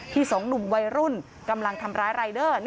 สองหนุ่มวัยรุ่นกำลังทำร้ายรายเดอร์